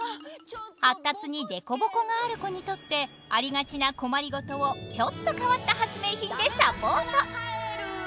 発達にでこぼこがある子にとってありがちな困りごとをちょっと変わった発明品でサポート！